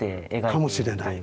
かもしれない。